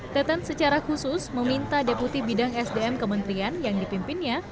teten secara khusus meminta deputi bidang sdm kementerian yang dipimpinnya